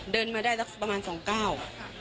เดินมาได้สักประมาณสองก้าว